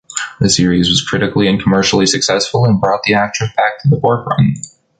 The series was critically and commercially successful and brought the actress back to the forefront.